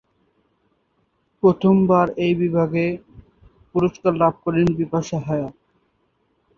প্রথমবার এই বিভাগে পুরস্কার লাভ করেন বিপাশা হায়াত।